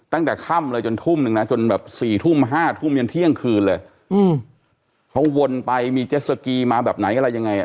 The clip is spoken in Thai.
ตั้งแต่ค่ำเลยจนทุ่มจนแบบ๔๕ทุ่มก็จะเที่ยงคืนเลยเขาวนไปมีเจสโกมาแบบไหนยังไง